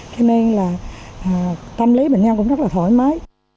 cho nên là tâm lý bệnh nhân cũng rất là thoải mái